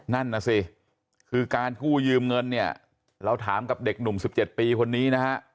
นั่นน่ะสิคือการกู้ยืมเงินเนี่ยเราถามกับเด็กหนุ่ม๑๗ปีคนนี้นะฮะ